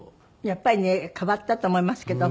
やっぱりね変わったと思いますけど。